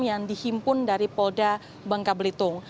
yang dihimpun dari polda bengkabelitung